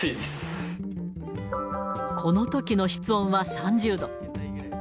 このときの室温は３０度。